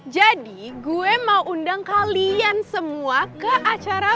jadi gue mau undang kalian semua ke acara